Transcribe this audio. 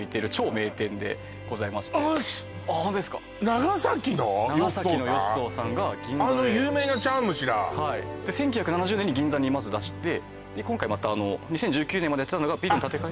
長崎の宗さんが銀座であの有名な茶碗蒸しだはい１９７０年に銀座にまず出して今回２０１９年までやってたのがビルの建て替え